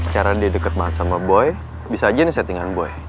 cara dia deket banget sama boy bisa aja nih settingan boy